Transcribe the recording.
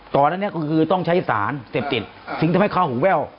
ตอนนั้นก็คือต้องใช้สารเสพติดสิ่งที่ทำให้เขาหูแวว